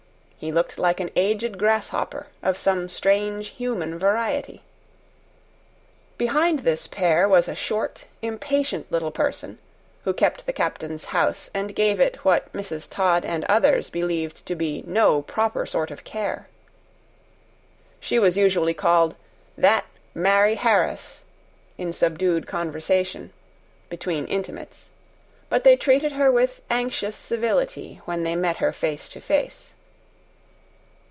He looked like an aged grasshopper of some strange human variety. Behind this pair was a short, impatient, little person, who kept the captain's house, and gave it what Mrs. Todd and others believed to be no proper sort of care. She was usually called "that Mari' Harris" in subdued conversation between intimates, but they treated her with anxious civility when they met her face to face.